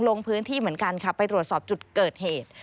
ลงพื้นที่เหมือนกันค่ะไปตรวจสอบจุดเกิดเหตุ